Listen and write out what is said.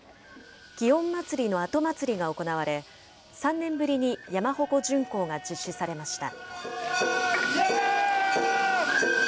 祇園祭の後祭が行われ、３年ぶりに山鉾巡行が実施されました。